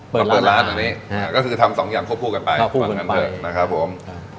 เปิดร้านอันนี้ก็คือทำสองอย่างควบคู่กันไปควบคู่กันไป